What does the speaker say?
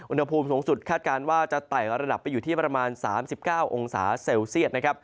อุณหภูมิสงสุทธิ์คาดการว่าจะไต่ระดับไปอยู่ที่ประมาณ๓๙๓๙องศาเซลเซียต